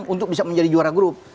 untuk bisa menjadi juara grup